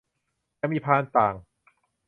ยังมีพานต่าง